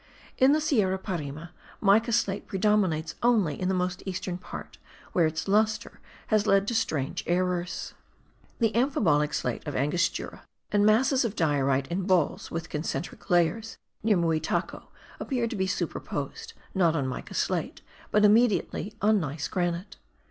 In the Sierra Parime, mica slate predominates only in the most eastern part, where its lustre has led to strange errors. The amphibolic slate of Angostura, and masses of diorite in balls, with concentric layers, near Muitaco, appear to be superposed, not on mica slate, but immediately on gneiss granite.